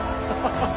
ハハハ